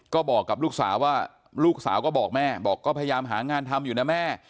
ก็บอกกับลูกสาวว่าลูกสาวก็บอกแม่บอกก็พยายามหางานทำอยู่นะแม่